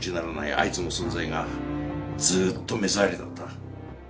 あいつの存在がずっと目障りだった。